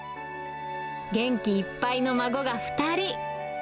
元気いっぱいの孫が２人。